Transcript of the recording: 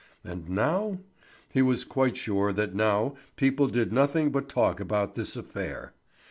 And now? He was quite sure that now people did nothing but talk about this affair.